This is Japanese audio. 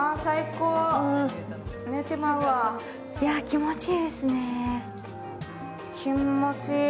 いや、気持ちいいですね。